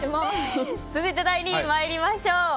続いて第２位参りましょう。